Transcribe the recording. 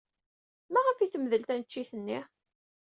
Maɣef ay temdel tneččit-nni?